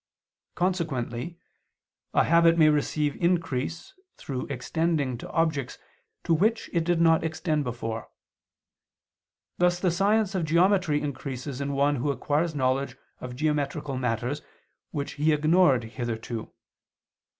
Consequently a habit may receive increase through extending to objects to which it did not extend before: thus the science of geometry increases in one who acquires knowledge of geometrical matters which he ignored hitherto.